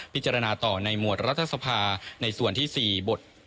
พิจารณาต่อในหมวดรัฐสภาในส่วนที่๔บท